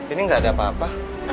ini nggak ada apa apa